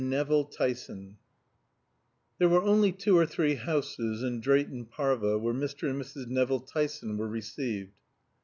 NEVILL TYSON There were only two or three houses in Drayton Parva where Mr. and Mrs. Nevill Tyson were received.